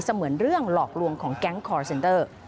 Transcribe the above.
เหมือนเรื่องหลอกลวงของแก๊งคอร์เซนเตอร์